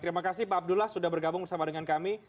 terima kasih pak abdullah sudah bergabung bersama dengan kami